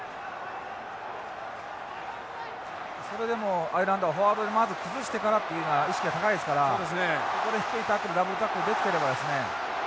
それでもアイルランドはフォワードでまず崩してからという意識が高いですからここで低いタックルダブルタックルができてればですね。